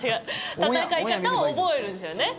戦い方を覚えるんですよね。